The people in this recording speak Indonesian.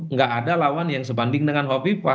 tidak ada lawan yang sebanding dengan hovifah